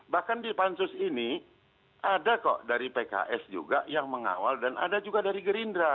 bahkan di pansus ini ada kok dari pks juga yang mengawal dan ada juga dari gerindra